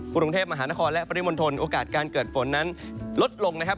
กรุงเทพมหานครและปริมณฑลโอกาสการเกิดฝนนั้นลดลงนะครับ